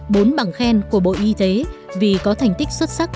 bốn bằng khen của bộ y tế vì có thành tích xuất sắc